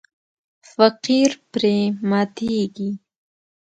فقیر پرې ماتیږي.